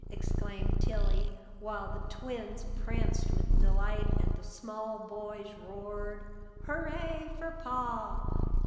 exclaimed Tilly, while the twins pranced with delight, and the small boys roared: "Hooray for Pa!